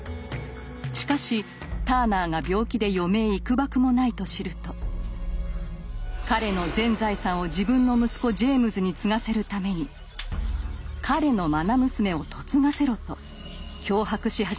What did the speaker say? しかしターナーが病気で余命いくばくもないと知ると彼の全財産を自分の息子ジェイムズに継がせるために彼のまな娘を嫁がせろと脅迫し始めました。